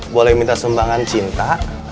boleh minta sumbangan cinta